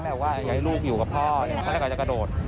แม่ก็ว่าอยากให้ลูกอยู่กับพ่อเขาเลยก่อนจะกระโดด